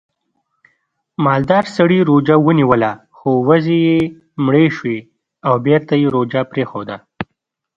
مالدار سړي روژه ونیوله خو وزې یې مړې شوې او بېرته یې روژه پرېښوده